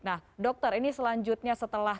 nah dokter ini selanjutnya setelah